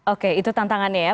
oke itu tantangannya ya